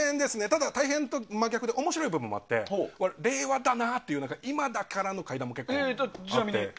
ただ、大変と真逆で面白い話もあって令和だなっていうのが今だからの怪談も結構あって。